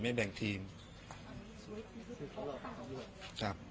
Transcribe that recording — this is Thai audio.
และยังมีคนเป็นกลางอยู่ครับ